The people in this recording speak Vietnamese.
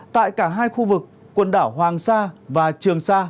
tại cả hai khu vực quần đảo hoàng sa và trường sa